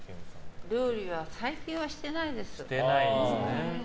料理は最近はしていないです。